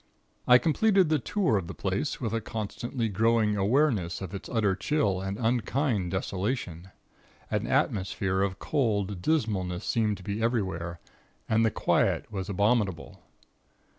"I completed the tour of the place, with a constantly growing awareness of its utter chill and unkind desolation an atmosphere of cold dismalness seemed to be everywhere, and the quiet was abominable.